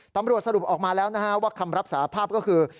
ตำรวจสรุปออกมาแล้วนะฮะว่าคำรับสาภาพก็คือ